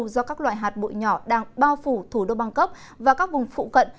do các loại hạt bụi nhỏ đang bao phủ thủ đô băng cấp và các vùng phụ cận